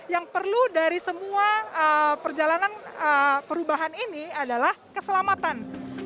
yang perlu dari semua perjalanan perubahan ini adalah keselamatan